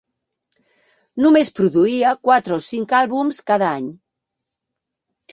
Només produïa quatre o cinc àlbums cada any.